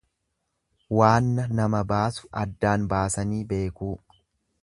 Waanna nama baasu addaan baasanii beekuu.